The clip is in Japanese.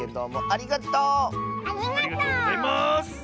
ありがとうございます！